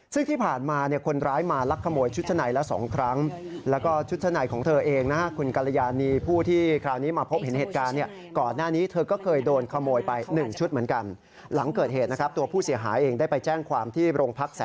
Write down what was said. ซึ่งที่ผ่านมาคนร้ายมาลักขโมยชุดชั้นในละสองครั้ง